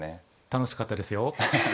楽しかったですよ。